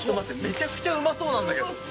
・めちゃめちゃうまそうなんだけど。